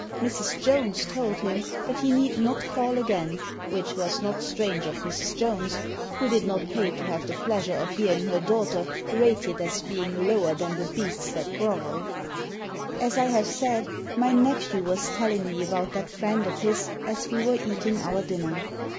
Mrs. Jones told him that he need not call again, which was not strange of Mrs. Jones, who did not pay to have the pleasure of hearing her daughter rated as being lower than the beasts that groveL As I have said, my nephew was telling me about that friend of his as we were eating our dinner.